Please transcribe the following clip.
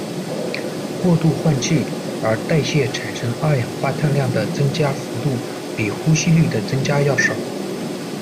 过度换气，而代谢产生二氧代碳量的增加幅度比呼吸率的增加要少。